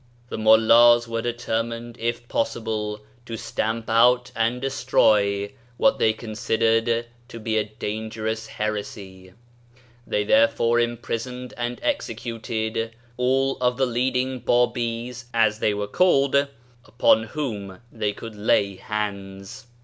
The Mullahs were determined, if possible, to stamp out and destroy what they considered to be a dangerous heresy ; they therefore imprison ed and executed all of the leading Babis, as they were called, upon whom they could lay hands.